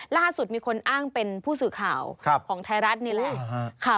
ล่าสุดมีคนอ้างเป็นผู้สื่อข่าวของไทยรัฐนี่แหละ